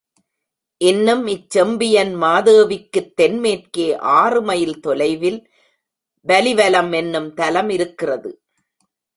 இன்னும் இச் செம்பியன்மாதேவிக்குத் தென்மேற்கே ஆறு மைல் தொலைவில் வலிவலம் என்னும் தலம் இருக்கிறது.